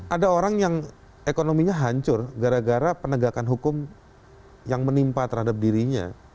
ada orang yang ekonominya hancur gara gara penegakan hukum yang menimpa terhadap dirinya